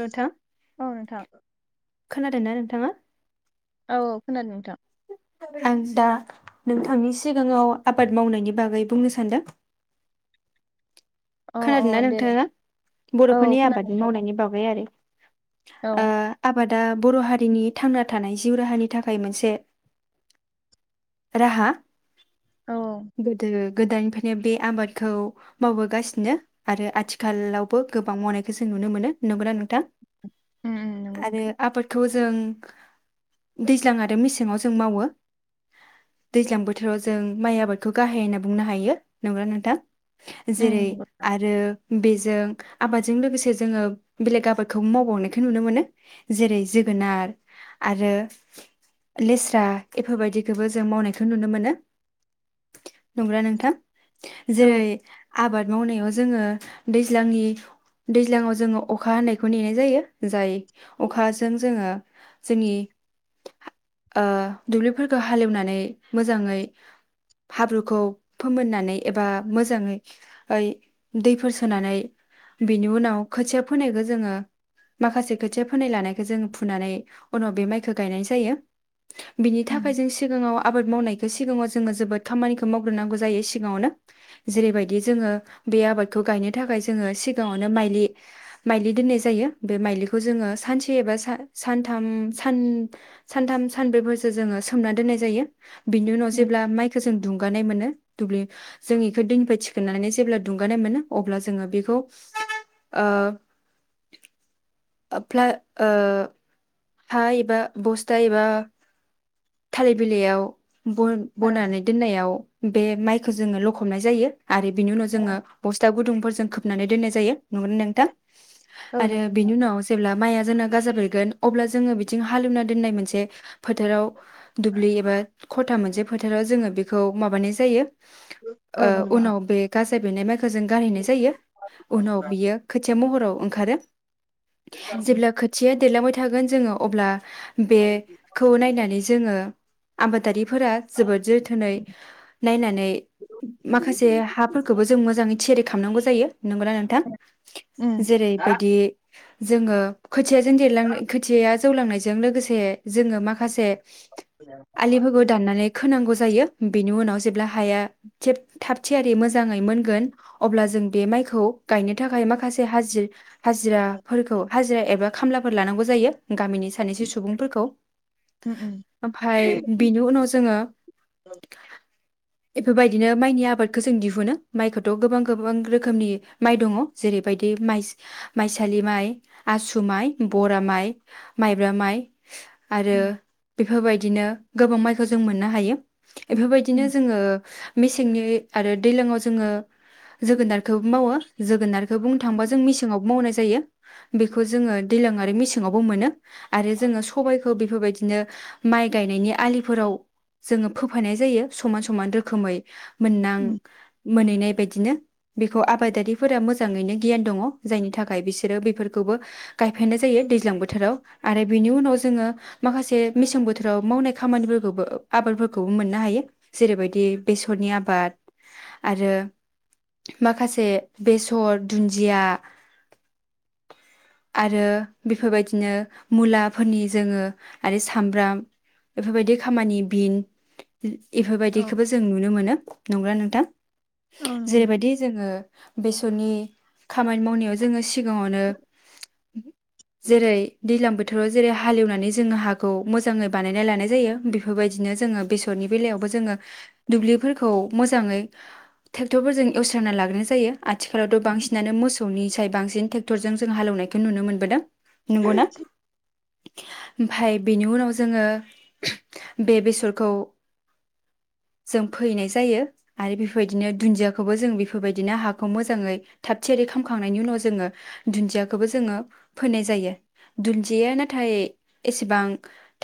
रो थां औ नोंथां खोनादों नों थांङा। औ खोनादों नोंथां। आं दा नोंथांनि सिगांङाव आबाद मावनायनि बागै बुंनो सानदों। अ खोनादोंना दे नोंथाङा औ बर'फोरनि खोनादों आबादनि नोंथां मावनायनि बागै आरो। औ ओ आबाद दा बर' हारिनि थांना थानाय जिउ राहानि थाखाय मोनसे राहा। औ गोदो। गोदाननिफायनो बे आबादखौ मावबोगासि नो आरो आथिखालावबो गोबां मावनायखौ जों नुनो मोनो नंगौना नोंथां। उम नंगौ आरो नोंथां आबादखौ जों दैज्लां आरो मेसेङाव जों मावो दैज्लां बोथोराव जों माइ आबादखौ गाहाय होनना बुंनो हायो नोंगौना नोंथां। उम। ओ बेजों आबादजों लोगोसे जोङो बेलेग आबादखौ मावबावनायखौ नुनो मोनो जेरै जोगोनार आरो लेस्रा एफोरबायदिखोबो जों मावनायखो नुनो मोनो नोंगौना नोंथां। जेरै। औ आबाद मावनायाव जोङो दैज्लांनि दैज्लाङाव जोङो अखा हनायखौ नेनाय जायो जाय अखाजों जोङो जोंनि ओ दुब्लिफोरखौ हालेवनानै मोजाङै हाब्रुखौ फोमोननानै एबा मोजाङै ओइ। दैफोर सोनानै बिनि उनाव खोथिया फोनायखौ जोंङो माखासे खोथिया फोनाय लानायखो जोङ फुनानै उनाव बे माइखो गायनाय जायो बिनि उम थाखाय जों सिगाङाव आबाद मावनायख सिगाङाव जोङो जोबोद खामानिखो मावग्रोनांगौ जायो सिगाङावनो जेरैबायदि जोङो। बे आबादखौ गायनो थाखाय जोङो सिगाङावनो माइलि माइलि दोननाय जायो। बे माइलिखौ जोङो सानसे एबा सा सानथाम सानथाम सानब्रैफोरसो जोङो सोमना दोननाय जायो। बिनि उनाव उम जेब्ला माइखो जों दुंगानाय मोनो। दुब्लि जों इखो दैनिफ्राय थिखोननानै जेब्ला दुंगानाय मोनो अब्ला जोङो बेखौ ओ प्ला ओ हा एबा बस्था एबा थालिर बिलाइयाव बन औ बनानै दोननायाव बे माइ खो जोङो लखबनाय जायो। आरो बिनि उनाव जोङो बस्था गुदुं फोर जों खोबनानै दोननाय जायो नंगोना नोंथां? नंगौ आरो बेनि नोंथां उनाव जेब्ला माइया जोंना गाजा बेरगोन। अब्ला जोङो बिथिं हालेवना दोननाय मोनसे फोथाराव दुब्लि एबा खथा मोनसे फोथाराव जोङो बेखौ माबानाय जायो। ओ औ नंगौ नोंथां उनाव बे गासै फिथाइ बेरनाय माइखौ खो जों गारहैनाय जायो, उनाव बियो खोथिया बियो महराव ओंखारो। उम जेब्ला खोथिया देरलांबाय थागोन जोङो अब्ला बेखौ नायनानै जोङो आबादारि फोरा जोबोद जोथोनै उम नायनानै उम माखासे उम हाफोरखोबो जों मोजाङै थियारि खामनांगौ जायो। नंगौना नोंथां? उम औ जेरैबायदि जोङो खोथियाजों देरलांनो। खोथिया जौ लांनायजों लोगोसे जोङो माखासे आलिफोरखौ दाननानै खोनांगौ जायो बेनि उनाव जेब्ला हाया थेब थाब थियारि मोजाङै मोनगोन अब्ला जों बे माइखौ गायनो थाखाय माखासे हाजिर हाजिराफोरखौ हाजिर एबा खामलाफोर लानांगौ जायो। गामिनि सानैसो सुबुंफोरखौ ओमफाय बिनि उनाव जोङो बेफोरबायदिनो माइनि आबादखौ जों दिहुनो, माइखौथ' गोबां गोबां रोखोमनि माइ दङ जेरैबायदि माइसालि माइ, आसु माइ, बरा माइ। माइब्रा माइ। आरो बे होबायदिनो गोबां माइखो जों मोननो हायो। इफोर बायदिनो जोङो। मेसेंनि आरो दैलाङाव जोङो जोगोनारखौ मावो जोगोनार। बुंनो थायोबा जों मेंसेंयावबो मावनाय जा जायो बेखौ जोङो दैलां आरो मेसें सेंङावबो मोनो। आरो जोङो सबायखौ बेफोरबायदि बिदिनो, माइ गायनायनि आलिफोराव जोङो फोफायनाय जायो समान समान रोखोमै मोननां। मोनहैनाय बायदिनो, बेखौ आबादारिफोरा मोजाङैनो गियान दङ। जायनि थाखाय बिसोरो बेफोरखौबो गायफायनाय जायो दै दैज्लां बोथोराव आरो बेनि उनाव जोङो माखासे मेसें बोथोराव मावनाय खामानिफोरखौबो आबादफोरखौबो मोननो हायो जेरैबायदि बेसरनि आबाद आरो माखासे बेसर दुनजिया आरो बेफोरबायदिनो मुलाफोरनि जोङो आरो सामब्राम, बेफोरबायदि खामानि बिन इ इफोरबायदिखौबो जों नुनो मोनो। नंगो नोंथां। औ नंगौ जेरै नोंथां बायदि जोंङो बेसरनि खामानि मावनायाव जोंङो सिगांङावनो जेरै दैलां बोथोराव जेरै हालेवनानै जोंङो हाखौ मोजांङै बानायना लानाय जायो बेफोरबायदिनो जोंङो बेसरनि बेलायावबो जोंङो दुब्लिफोरखौ मोजांङै ट्रेक्टरफोरजों एवस्रांना लाग्रोनाय जायो। आथिखालावथ' बांसिनानो मोसौ सौ निसाय बांसिन ट्रेक्टर जों हालेनायखौ नुनो मोन बोदों नंगौना? ओमफाय बेनि उनाव जोंङो बे बेसरखौ जों फोहैनाय जायो आरो बेफोरबायदिनो दुनजियाखौबो जों बेफोरबायदिनो हाखौ मोजांङै थाब थियारि खालामखांनायनि उनाव जोंङो दुनदियाखौबो जोंङो फोनाय जायो, दुनजिया नाथाय एसेबां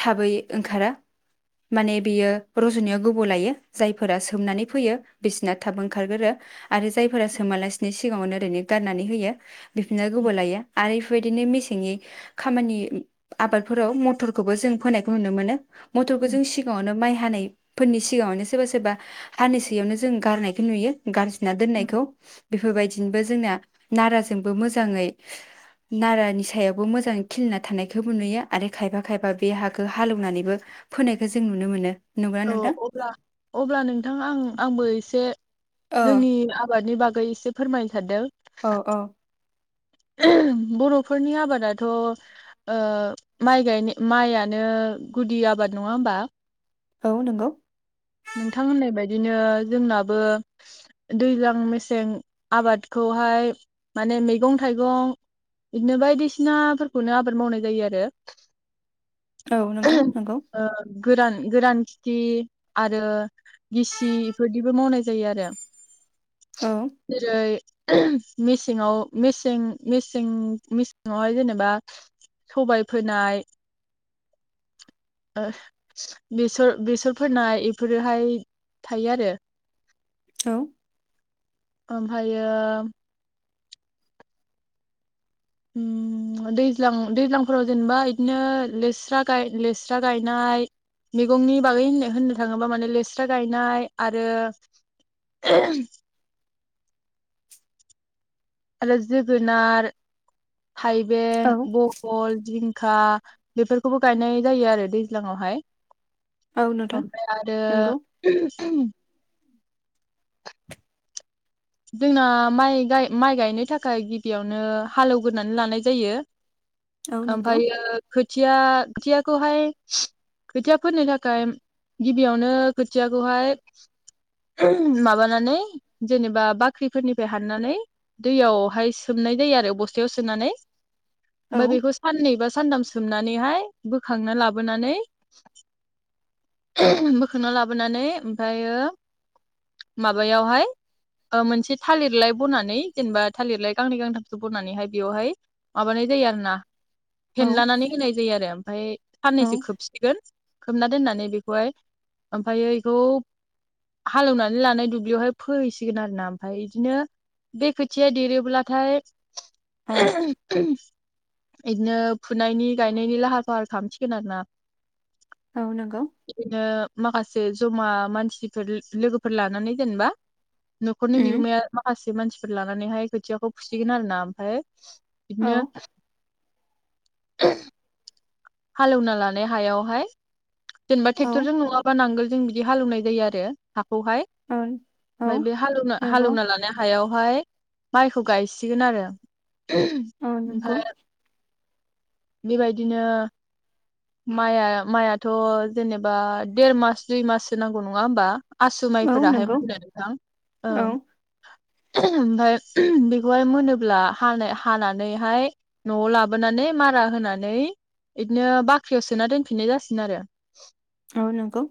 थाबै ओंखारा माने बियो रज'नायाव गोबाव लायो जायफोरा सोमनानै फैयो बिसिना थाब ओंखार गोरो आरो जायफोरा सोमालासिनो सिगांङावनो ओरैनो गारनानै होयो बिफनिया गोबाव लायो आरिफ बायदिनो मेसेंनि खामानि आबादफोराव मथरखौबो जों फोनायखौ नुनो मोनो। मथरखौ जों सिगांङावनो माइ हानाय फोरनि सिगांङावनो सोरबा सोरबा हानोसैयावनो जों गारनायखौ नुयो। गारसोना दोननायखौ बेफोरबायदिनोबो जोंना नारा जोंबो मोजांङै नारानि सायावबो मोजांयै खिलिना थानायखौबो नुयो आरो खायफा खायफा बे हाखौ हालेवनानैबो फोनायखौ जों नुनो मोनो। नंगौना औ नोंथां अब्ला अब्ला नोंथां आं आंबो ए से औ जोंनि आबादनि बा यै एसे फोरमायनो सानदों औ औ बर'फोरनि आबादाथ' ओ माइ गायनाय माइयानो गुदि आबाद नंङा होमबा? औ नंगौ। नोंथां होननाय बायदिनो जोंनाबो दैज्लां मेसें आबाद खौहाय माने मैगं थाइगं बिदिनो बायदिसिना फोरखौनो आबाद मावनाय जायो आरो। औ नोंथां नंगौ। ओ गोरान गोरान खिथि आरो गिसि इफोरदिबो मावनाय जायो आरो। औ जेरै मेसेंङाव मेसें-मेसें मेसेंङाव हाय जेनेबा सबाय फोनाय ओ बेसर-बेसर फोनाय एफोरो हाय थायो आरो। औ ओमफायो उम्म दैज्लां दैज्लांफोराव जेनेबा इदिनो लेस्रा गाय लेस्रा गायनाय मैगंनि बागै होन्नो-होन्नो थांङोबा माने लेस्रा गायनाय आरो आरो जोगोनार, थाइबें, औ बहल, जिं खा बेफोरखौबो गायनाय जायो आरो दैज्लांआव हाय। औ नोंथां ओमफ्राय आरो नंगौ जोंना माइ गाय माइ गायनो थाखाय गिबियावनो हालोवग्रोना लानाय जायो। औ नंगौ ओमफ्रायो खोथिया खोथियाखौहाय खोथिया फोनो थाखाय गिबियावनो खोथियाखौहाय माबानानै जेनेबा बाख्रिफोरनिफ्राय हाननानै दैयावहाय सोमनाय जायो आरो बस्थायाव सोनानै औ ओमफ्राय बेखौ साननै बा सानथाम सो सुमनानैहाय बोखांना लाबोनानै बोखांना लाबोनानै ओमफायो माबायावहाय ओ मोनसे थालिरलाय बनानै जेनेबा थालिरलाय गांनै गांथामसो बनानैहाय बेयावहाय माबानाय जायो आरो ना औ फेनलानानै होनाय जायो आरो ओमफ्राय औ साननैसो खोबसिगोन खोबना दोननानै बेखौहाय ओमफ्रायो बेखौ हालेवनानै लानाय दुब्लियावहाय फोहैसिगोन आरो ना ओमफ्राय बिदिनो बे खोथिया देरोब्लाथाय औ [unintelligible] बिदिनो फुनायनि गायनायनि लाहार फाहार खालामसिगोन आरो ना औ नंगौ बिदिनो माखासे जे जमा मानसिफोर लोगोफोर लानानै जेनेबा न'खरनि उम बिगोमाया माखासे मानसिफोर लानानैहाय खोथियाखौ फुसिगोन आरो ना ओमफ्राय औ बिदि नो [unintelligible] हालेवना लानाय हायावहाय जेनबा औ ट्रेक्टरजों नङाबा नांगोल जों बिदि हालेवनाय जायो आरो खौहाय औ ओमफ्राय बे हालेवना औ नंगौ हालेवना लानाय हायाव हाय माइखौ गायसिगोन आरो [inaudible] औ नंगौ बेबायदिनो माइआ माइआथ' जेनेबा देर मास दुइ माससो नांगौ नङा ओमबा आसु औ माइफोराहाय नंगौ मोनदों नोंथां औ ओं ओमफ्राय बेखौहाय मोनोब्ला हानानैहाय न'आव लाबोनानै मारा होनानै बिदिनो बाख्रियाव सोना दोनफिननाय जासिगोन आरो औ नंगौ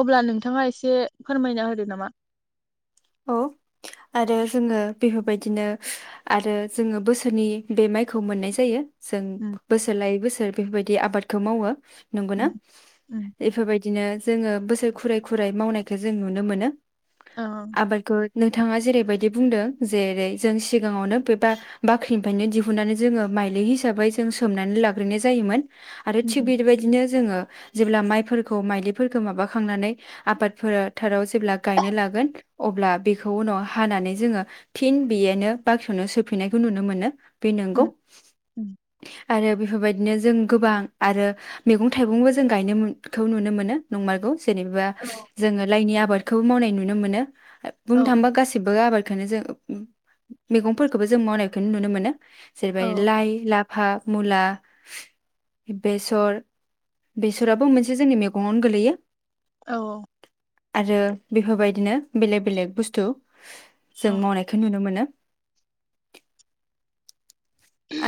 अब्ला नोंथाङा एसे फोरमायना होदो नामा औ आरो जोङो बेफोरबायदिनो आरो जोङो बोसोरनि बे माइखौ मोननाय जायो। जों उम बोसोर लायो बोसोर बेफोरबायदि आबादखौ मावो नंगौना उम उम बेफोरबायदि बिदिनो जोङो बोसोर खुरै खुरै मावनायखो जों नुनो मोनो। औ आबादखौ नोंथाङा जेरैबायदि बुंदों जेरै जों सिगाङावनो बे बा बाख्रिनिफायनो दिहुननानै जोङो माइलि हिसाबै जों सोमनानै लाग्रोननाय जायोमोन । आरो थिग उम बेदि बायदिनो जोङो जेब्ला माइफोरखौ माइलिफोरखौ माबाखांनानै आबाद फोर थाराव जेब्ला गायनो लागोन अब्ला बेखौ उनाव हानानै जोङो थिन बेयोनो बाख्रियावनो सोफिननायखौ नुनो मोनो । बि नंगौ उम । उम आरो बेफोरबायदिनो जों गोबां आरो मेगं थाइगंबो जों गायनो मुद खौ नुनो मोनो नंमारगौ । जेनेबा औ जोङो लाइनि आ बादखौ मावनाय नुनो मोनो औ बुंनो थाङोबा गासिबो आबाद खायनो जों मेगंफोरखौबो जों मावनायखौनो नुनो मोनो । जेरैबा औ लाइ लाफ फा मुला बेसर बेसराबो मोनसे जोंनि मेगङावनो गोलैयो । औ आरो बेफोरबायदिनो बेलेग बेलेग बुस्थु जों औ मावनायखौ नुनो मोनो ।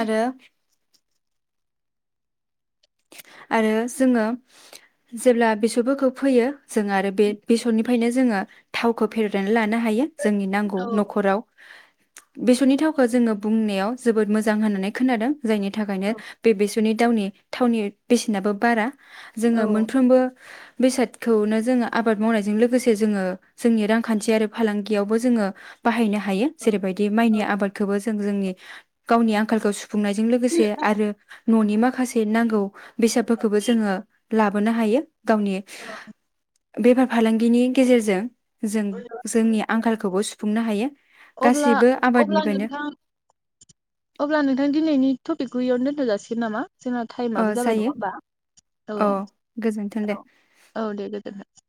आरो आरो जोङो जेब्ला बेसरफोरखौ फोयो जों आरो बे बेसरनिफायनो जोङो थावखौ [unintelligible] लानो हायो जोंनि नांगौ औ न'खराव । बेसरनि थावखो जोङो बुंनायाव जोबोद मोजां होननानै खोनादों । जायनि थाखायनो बे बेस [unintelligible] दावनि थावनि बेसेनाबो बारा । जोङो औ मोनफ्रोमबो बेसादखौनो जोङो आबाद मावनायजों लोगोसे जोङो जोंनि रांखान्थियारि फालांगियावबो जोङो बाहायनो हा हायो जेरैबायदि माइनि औ आबादखौबो ज जों जोंनि गावनि आंखालखौ सुफ फुंनायजों लोगोसे आरो न'नि माखासे [unintelligible] नांगौ बेसादफोरखौबो जोङो लाबोनो हायो । गावनि बेफार फालांगिनि गेजेरजों जों जोंनि आंखालखौबो सुफ फुंनो हायो । अब्ला अब्ला नोंथां अब्ला नोंथां दिनैनि थफ गयावनो दोन्थ'जासिगोन नामा? जोंहा ओ टाइमाबो जाबाय नङा जायो होमबा औ अ गोजोन्थों दे औ औ दे गोजोन्थों ।